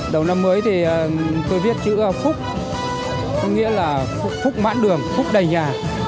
đầu năm mới thì tôi viết chữ phúc có nghĩa là phúc mãn đường phúc đầy nhà